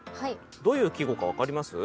どういう季語か分かります？